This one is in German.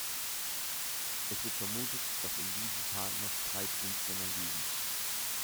Es wird vermutet, dass im "Wiesental" noch drei Blindgänger liegen.